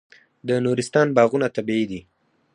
د نورستان باغونه طبیعي دي.